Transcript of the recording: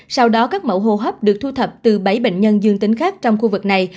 sau đó các mẫu hô hấp được thu thập từ bảy bệnh nhân dương tính khác trong khu vực này